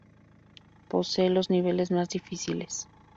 Posee los niveles más difíciles.